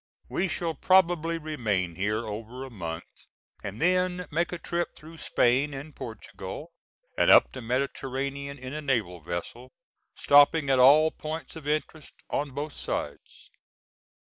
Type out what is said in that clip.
We shall probably remain here over a month, and then make a trip through Spain and Portugal, and up the Mediterranean, in a naval vessel, stopping at all points of interest on both sides.